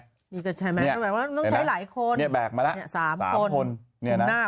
นี่ก็ใช่มั้ยแบบว่าแบบจะต้องใช้หลายคน